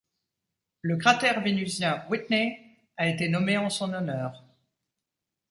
Le cratère vénusien Whitney a été nommé en son honneur.